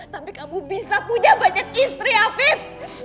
tapi kamu bisa punya banyak istri afif